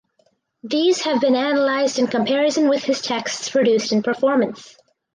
These have been analyzed in comparison with his texts produced in performance.